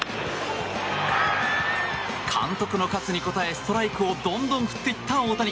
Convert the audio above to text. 監督の喝に応えストライクをどんどん振っていった大谷。